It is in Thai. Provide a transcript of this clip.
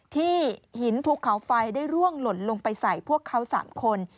ที่หินภูเขาไฟได้ร่วงหล่นลงไปใส่พวกเขา๓คน